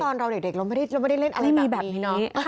ตอนเราเด็กเราไม่ได้เล่นอะไรมาแบบนี้เนาะ